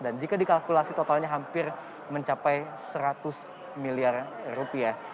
dan jika dikalkulasi totalnya hampir mencapai seratus miliar rupiah